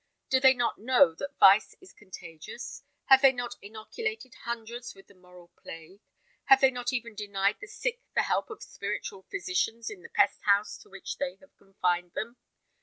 Do they not know that vice is contagious? Have they not inoculated hundreds with the moral plague? Have they not even denied the sick the help of spiritual physicians in the pest house to which they have confined them?